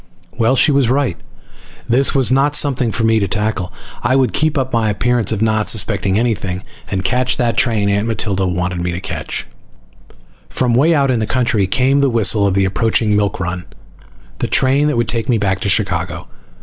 Well, she was right. This was not something for me to tackle. I would keep up my appearance of not suspecting anything, and catch that train Aunt Matilda wanted me to catch. From way out in the country came the whistle of the approaching milk run, the train that would take me back to Chicago.